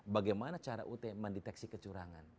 bagaimana cara ut mendeteksi kecurangan